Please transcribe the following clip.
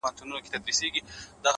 سیاه پوسي ده- ورځ نه ده شپه ده-